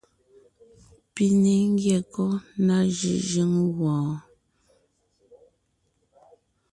Pi ne ńgyɛ́ kɔ́ ná jʉ́jʉ́ŋ wɔɔn?